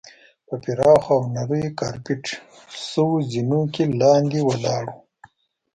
په پراخو او نریو کارپیټ شوو زینو کې لاندې ولاړو.